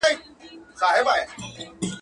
یادوي به مي هر څوک په بد ویلو.